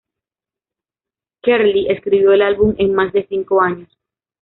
Kerli escribió el álbum en más de cinco años.